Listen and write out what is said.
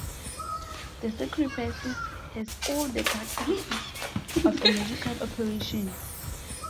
The sacrifices has all the characteristics of a magical operation.